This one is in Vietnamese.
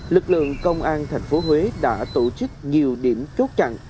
lực lượng công an thành phố huế đã tổ chức nhiều điểm chốt chặn